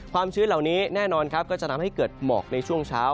ชื้นเหล่านี้แน่นอนครับก็จะทำให้เกิดหมอกในช่วงเช้า